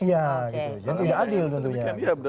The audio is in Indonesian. ya jadi sudah adil tentunya